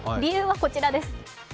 理由はこちらです。